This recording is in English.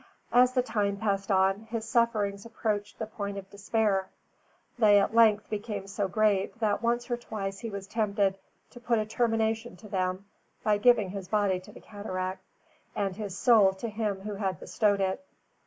As the time passed on, his sufferings approached the point of despair. They at length became so great that once or twice was he tempted to put a termination to them by giving his body to the cataract, and his soul to Him who had bestowed it.